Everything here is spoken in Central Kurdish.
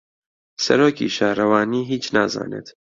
سەرۆک شارەوانی هیچ نازانێت.